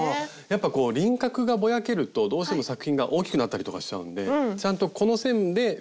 やっぱこう輪郭がぼやけるとどうしても作品が大きくなったりとかしちゃうんでちゃんとこの線でぴったりにするっていう。